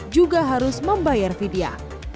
juga harus membayar vidya